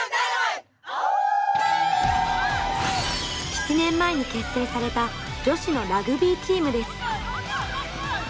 ７年前に結成された女子のラグビーチームです。